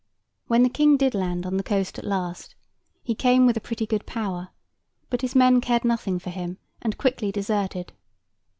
When the King did land on the coast at last, he came with a pretty good power, but his men cared nothing for him, and quickly deserted.